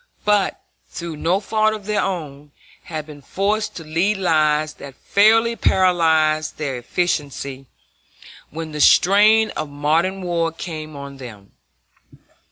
But, through no fault of their own, had been forced to lead lives that fairly paralyzed their efficiency when the strain of modern war came on them.